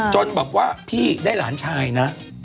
บอกว่าพี่ได้หลานชายนะ